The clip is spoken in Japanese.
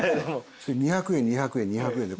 ２００円２００円２００円で。